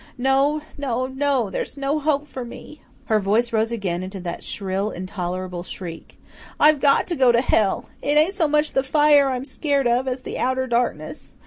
No no no, there's no hope for me." Her voice rose again into that shrill, intolerable shriek. "I've got to go to hell. It ain't so much the fire I'm skeered of as the outer darkness.